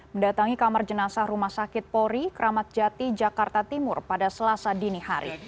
mendatangi kamar jenazah rumah sakit polri kramat jati jakarta timur pada selasa dini hari